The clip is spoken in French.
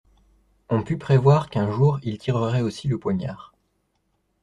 On put prévoir qu'un jour ils tireraient aussi le poignard.